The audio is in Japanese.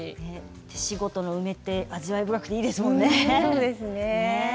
手仕事の梅って味わい深くていいですよね